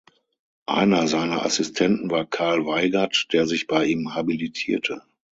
Einer seiner Assistenten war Karl Weigert, der sich bei ihm habilitierte.